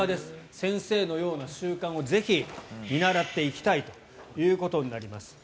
先生のような習慣をぜひ見習っていきたいということになります。